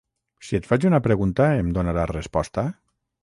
Si et faig una pregunta, em donaràs resposta?